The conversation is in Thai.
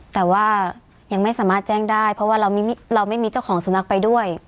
แต่ว่ายังไม่สามารถแจ้งได้เพราะว่าเราไม่มีเจ้าของสุนัขไปด้วย